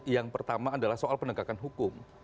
yang pertama adalah soal penegakan hukum